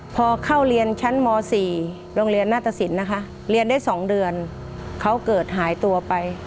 พอเข้าเรียนชั้นม๔โรงเรียนนาตสินนะคะเรียนได้๒เดือนเขาเกิดหายตัวไป